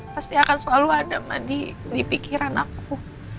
pasti akan selalu ada mbak di pikiran aku